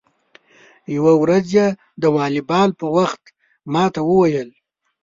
یوه ورځ یې د والیبال په وخت کې ما ته و ویل: